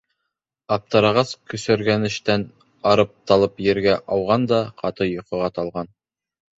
Аптырағас, көсөргәнештән арып-талып ергә ауған да ҡаты йоҡоға талған.